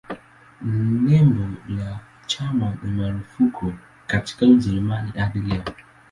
Nembo la chama ni marufuku katika Ujerumani hadi leo.